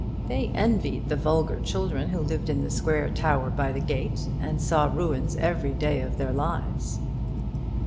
They envied the vulgar children who lived in the square tower by the gate, and saw ruins every day of their lives.